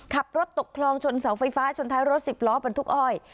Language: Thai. ขับรถตกคลองชนเสาไฟฟ้าชนท้ายรถสิบล้อบรรทุกอ้อย